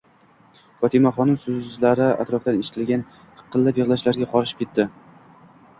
Fotimaxonimning so'zlari atrofdan eshitilgan hiqillab yig'lashlarga qorishib ketdi.